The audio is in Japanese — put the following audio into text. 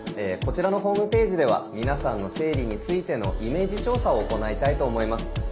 こちらのホームページでは皆さんの生理についてのイメージ調査を行いたいと思います。